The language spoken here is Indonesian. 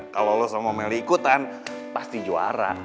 kalau lo sama meli ikutan pasti juara